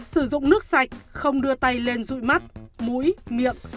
sử dụng nước sạch không đưa tay lên rụi mắt mũi miệng